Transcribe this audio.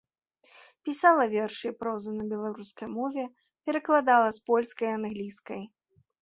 Пісала вершы і прозу на беларускай мове, перакладала з польскай і англійскай.